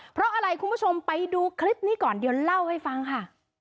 เพราะอะไรคุณผู้ชมไปดูคลิปนี้ก่อนเดี๋ยวเล่าให้ฟังค่ะ